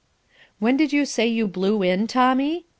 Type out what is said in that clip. "When did you say you 'blew in,' Tommy?"